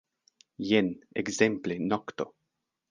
Jen, ekzemple, nokto.